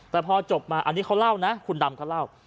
แต่พอจบมาอันนี้เขาเล่านะคุณดำเขาเล่า